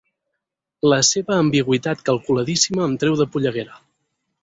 La seva ambigüitat calculadíssima em treu de polleguera.